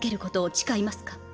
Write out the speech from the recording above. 誓いますか？